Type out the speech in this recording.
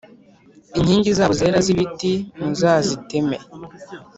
inkingi zabo zera z’ibiti muzaziteme,